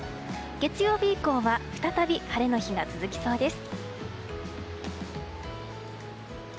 月曜日以降は再び晴れの日が続きそうです。